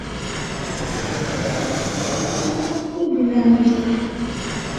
Ambazo zinaweza kusababisha mapigano ikitoa ripoti za waasi wanaojihami kuzunguka mji mkuu Tripoli.